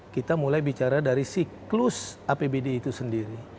kita mulai bicara dari siklus apbd itu sendiri